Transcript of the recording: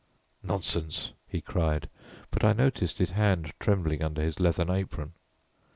"Nonsense," he cried, but I noticed his hand trembling under his leathern apron.